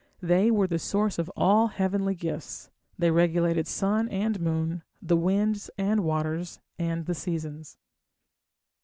They were the source of all heavenly gifts: they regulated sun and moon, the winds and waters, and the seasons.